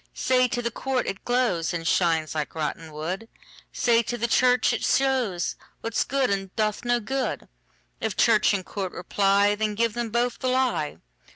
Say to the court, it glowsAnd shines like rotten wood; Say to the church, it showsWhat's good, and doth no good:If church and court reply, Then give them both the lie.